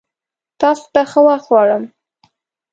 تاسو ته ښه وخت غوړم!